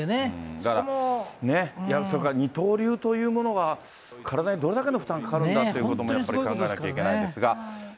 だから、それから二刀流というものが、体にどれだけの負担がかかるんだということもやっぱり考えないといけないと思うんです